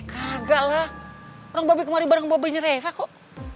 kagak lah orang babi kemarin bareng babinya reva kok